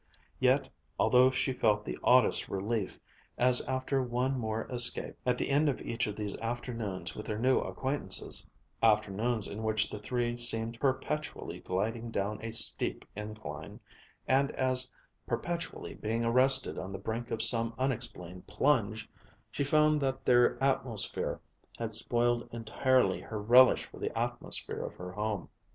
Yet, although she felt the oddest relief, as after one more escape, at the end of each of these afternoons with her new acquaintances, afternoons in which the three seemed perpetually gliding down a steep incline and as perpetually being arrested on the brink of some unexplained plunge, she found that their atmosphere had spoiled entirely her relish for the atmosphere of her home.